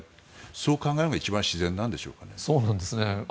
そう考えるのが一番自然なんでしょうかね。